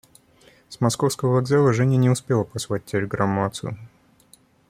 С московского вокзала Женя не успела послать телеграмму отцу.